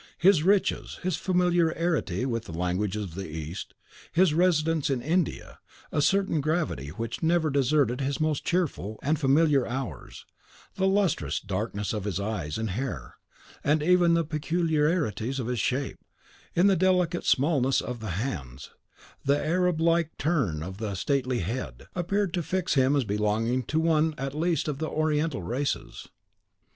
His riches, his familiarity with the languages of the East, his residence in India, a certain gravity which never deserted his most cheerful and familiar hours, the lustrous darkness of his eyes and hair, and even the peculiarities of his shape, in the delicate smallness of the hands, and the Arab like turn of the stately head, appeared to fix him as belonging to one at least of the Oriental races.